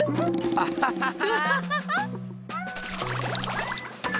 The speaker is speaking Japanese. ウハハハ！